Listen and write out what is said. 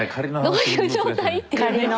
どういう状態？っていう。